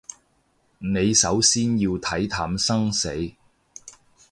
你首先要睇淡生死